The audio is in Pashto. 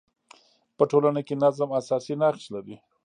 په ټولنه کي نظم اساسي نقش لري.